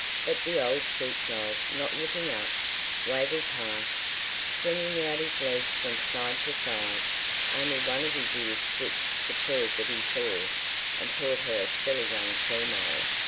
But the old sheep dog, not looking up, waggled past, flinging out his legs from side to side. Only one of his ears twitched to prove that he saw, and thought her a silly young female.